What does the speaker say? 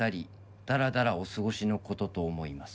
「ダラダラお過ごしのことと思います」